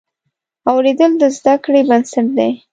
اورېدل د زده کړې بنسټ دی.